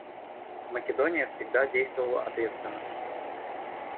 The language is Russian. Македония всегда действовала ответственно.